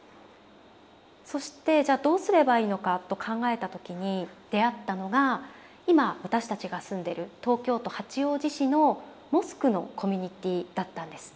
そしてじゃあどうすればいいのかと考えた時に出会ったのが今私たちが住んでる東京都八王子市のモスクのコミュニティーだったんです。